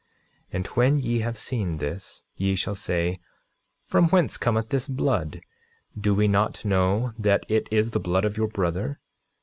9:32 And when ye have seen this, ye shall say: From whence cometh this blood? Do we not know that it is the blood of your brother?